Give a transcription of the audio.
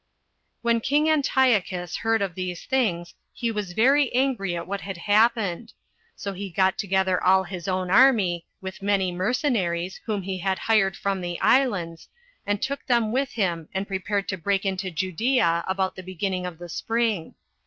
2. When king Antiochus heard of these things, he was very angry at what had happened; so he got together all his own army, with many mercenaries, whom he had hired from the islands, and took them with him, and prepared to break into Judea about the beginning of the spring.